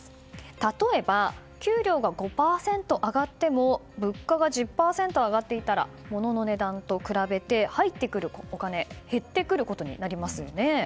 例えば給料が５％上がっても物価が１０％上がっていたら物の値段と比べて入ってくるお金減ってくることになりますよね。